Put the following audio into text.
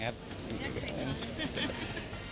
อนุญาตก่อน